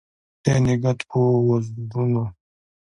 د نګهت په وزرونو